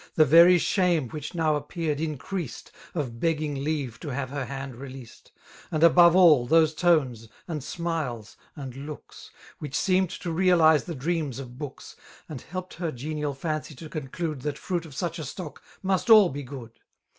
The very diame which now appeared increaseily Of begging leave to have her hand released. And above all> those tones, and smiles, and looks. Which seemed to realize the dreams of booksr. And helped her genial fancy to conclude That fruit of such^a stock must all be good.